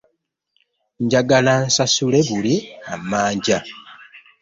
Njagala nsasule buli amanja.